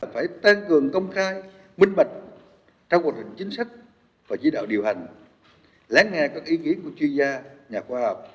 phải tăng cường công khai minh mạch trong cuộc hình chính sách và chí đạo điều hành lán nghe các ý kiến của chuyên gia nhà khoa học